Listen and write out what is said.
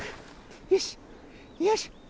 よし！